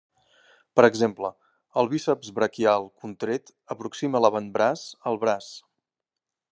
Per exemple, el bíceps braquial contret aproxima l'avantbraç al braç.